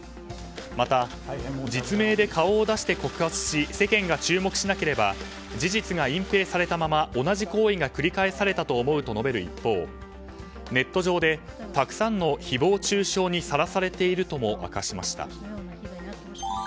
また実名で顔を出して告発し世間が注目しなければ事実が隠ぺいされたまま同じ行為が繰り返されたと思うと述べる一方ネット上でたくさんの誹謗中傷にさらされているとも明かしました。